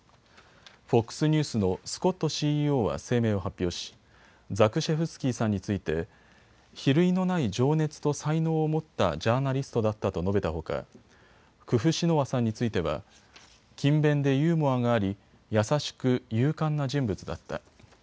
ＦＯＸニュースのスコットＣＥＯは声明を発表しザクシェフスキーさんについて比類のない情熱と才能を持ったジャーナリストだったと述べたほかクフシノワさんについては勤勉でユーモアがあり優しく勇敢な人物だった。